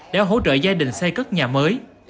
đã hỗ trợ gia đình xây cất nhà mới